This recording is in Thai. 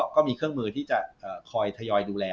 ก็มีเครื่องมือที่จะคอยทยอยดูแล